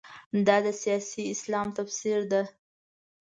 دا د سیاسي اسلام تفسیر ده.